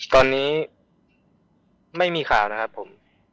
ตอนนี้ไม่มีข่าวนะครับผม